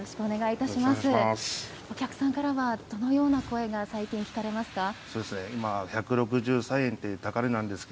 お客さんからは、どのような声が最近、聞かれますか？